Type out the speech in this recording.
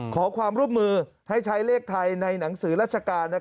ขอความร่วมมือให้ใช้เลขไทยในหนังสือราชการ